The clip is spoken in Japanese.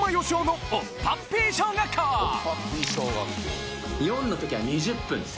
４の時は２０分。